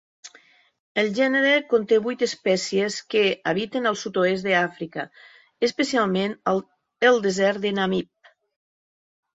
El gènere conté vuit espècies, que habiten al sud-oest d'Àfrica, especialment el desert de Namib.